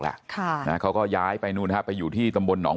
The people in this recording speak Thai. แล้วเขาก็ย้ายไปนู่นฮะไปอยู่ที่ตำบลหนอง